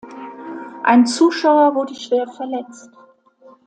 Ein Zuschauer wurde schwer verletzt.